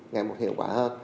ngày một hiệu quả hơn